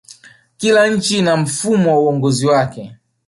kila nchi ina mfumo wa uongozi wake